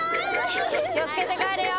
気をつけて帰れよ！